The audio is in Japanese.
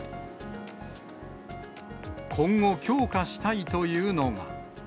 今後、強化したいというのが。